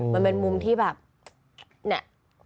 มันเป็นมุมที่แบบเนี่ย